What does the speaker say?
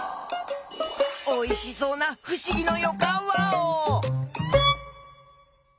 おいしそうなふしぎのよかんワオ！